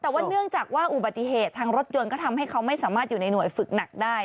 แต่ว่าเนื่องจากว่าอุบัติเหตุทางรถยนต์ก็ทำให้เขาไม่สามารถอยู่ในหน่วยฝึกหนักได้